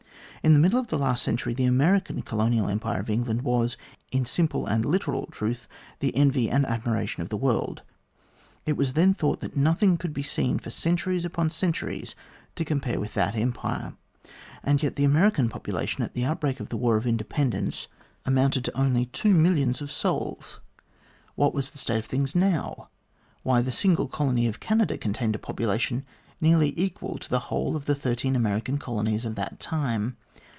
In the middle of the last century the American Colonial Empire of England was, in simple and literal truth, the envy and admiration of the world. It was then thought that nothing had been seen for centuries upon centuries to compare with that Empire. And yet the American population, at the outbreak of the war of independence, amounted to only A COUPLE OF COLONIAL LECTURES 259 two millions of souls. What was the state of things now ? Why, the single colony of Canada contained a population nearly equal to the whole of the thirteen American colonies of that time.